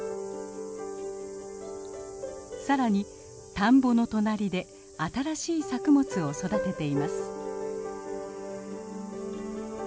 更に田んぼの隣で新しい作物を育てています。